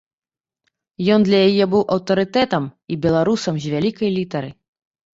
Ён для яе быў аўтарытэтам і беларусам з вялікай літары.